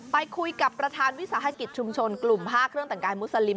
ไปคุยกับประธานวิสาหกิจชุมชนกลุ่ม๕เครื่องแต่งกายมุสลิม